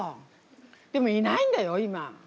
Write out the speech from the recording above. でもいないんだよ今。